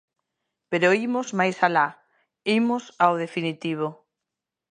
Pero imos máis alá, imos ao definitivo.